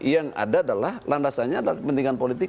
yang ada adalah landasannya adalah kepentingan politik